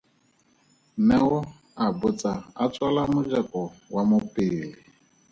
Neo a botsa a tswala mojako wa mo pele.